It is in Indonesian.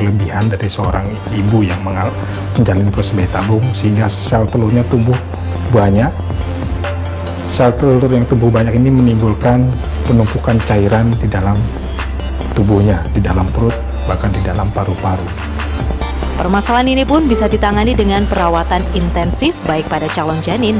di indonesia keberhasilan tersebut juga memiliki resiko